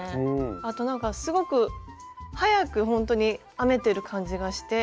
あとなんかすごく早くほんとに編めてる感じがして。